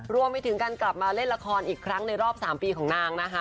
รวมไปถึงการกลับมาเล่นละครอีกครั้งในรอบ๓ปีของนางนะคะ